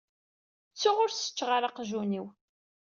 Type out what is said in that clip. Ttuɣ ur seččeɣ ara aqjun-iw.